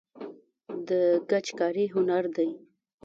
د ګچ کاري هنر دی